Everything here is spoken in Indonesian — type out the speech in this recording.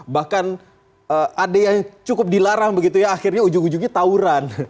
bahkan ada yang cukup dilarang begitu ya akhirnya ujung ujungnya tawuran